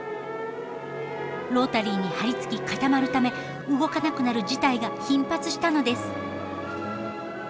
ロータリーに張り付き固まるため動かなくなる事態が頻発したのです。